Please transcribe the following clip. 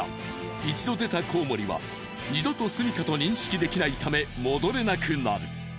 一度出たコウモリは二度と住みかと認識できないため戻れなくなる。